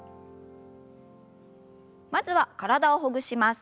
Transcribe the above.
まずは体をほぐします。